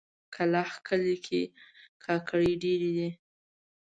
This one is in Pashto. کلاخ کلي کې ګاګرې ډېرې دي.